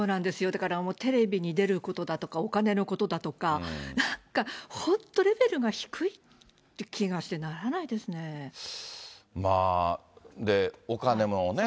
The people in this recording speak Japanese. だからもうテレビに出ることだとか、お金のことだとか、なんか本当、レベルが低いって気がしてならないですで、お金もね。